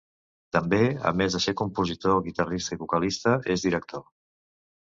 També, a més de ser compositor, guitarrista i vocalista, és director.